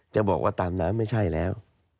จะบอกว่าตามนั้นไม่ใช่แล้ว